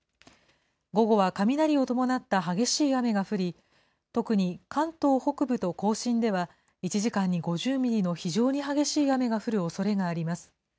午後は雷を伴った激しい雨が降り、特に関東北部と甲信では、１時間に５０ミリの非常に激しい雨が降るおそれがあります。